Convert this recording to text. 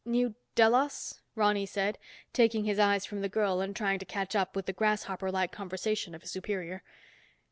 "New Delos?" Ronny said, taking his eyes from the girl and trying to catch up with the grasshopper like conversation of his superior.